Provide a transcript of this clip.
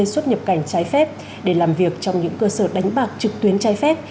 xuất nhập cảnh trái phép để làm việc trong những cơ sở đánh bạc trực tuyến trái phép